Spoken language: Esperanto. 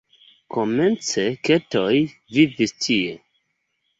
Komence keltoj vivis tie.